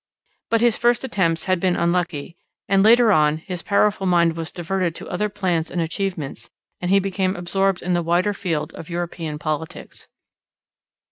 ] but his first attempts had been unlucky, and later on his powerful mind was diverted to other plans and achievements and he became absorbed in the wider field of European politics.